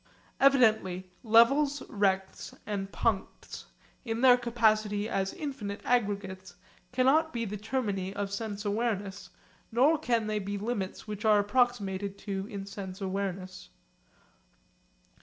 Evidently levels, rects, and puncts in their capacity as infinite aggregates cannot be the termini of sense awareness, nor can they be limits which are approximated to in sense awareness.